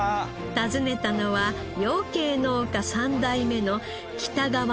訪ねたのは養鶏農家３代目の北川貴基さん。